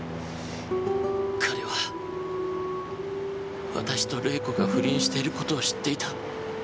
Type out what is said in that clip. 彼は私と礼子が不倫してる事を知っていた。